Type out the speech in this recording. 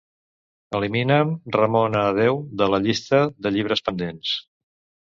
Elimina'm "Ramona adéu" de la llista de llibres pendents.